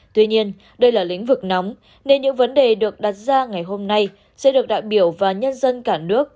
tuy nhiên đây là lĩnh vực nóng nên những vấn đề được đặt ra ngày hôm nay sẽ được đại biểu và nhân dân cả nước